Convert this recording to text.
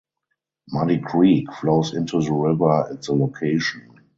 Muddy Creek flows into the river at the location.